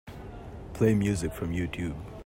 Play music from Youtube.